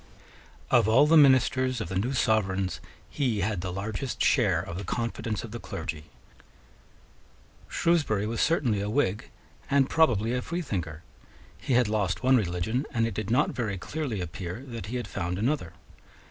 Of all the ministers of the new Sovereigns, he had the largest share of the confidence of the clergy. Shrewsbury was certainly a Whig, and probably a freethinker: he had lost one religion; and it did not very clearly appear that he had found another.